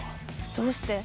どうして？